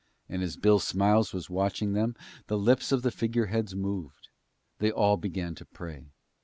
And as Bill Smiles was watching them, the lips of the figureheads moved; they all began to pray.